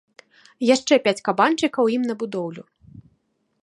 Яшчэ пяць кабанчыкаў ім на будоўлю.